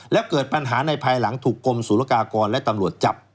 แล้วเกิดปัญหาในภายหลังถูกกรมศูนยากากรและตำรวจจับ